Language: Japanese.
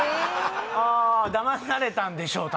ダマされたんでしょう